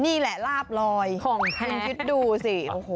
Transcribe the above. นี่แหละลาบลอยของคุณคิดดูสิ